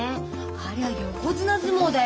ありゃ横綱相撲だよ。